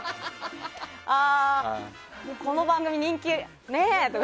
あーこの番組、人気ねって。